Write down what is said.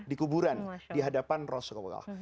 di kuburan di hadapan rasulullah